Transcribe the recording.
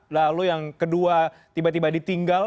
lalu yang kedua tiba tiba ditinggal